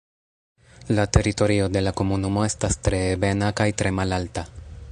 La teritorio de la komunumo estas tre ebena kaj tre malalta.